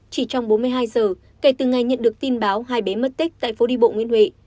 chỉ trong bốn mươi hai giờ kể từ ngày nhận được tin báo hai bé mất tích tại phố đi bộ nguyễn huệ